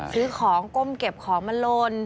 ซื้อของก้มเก็บของมาลน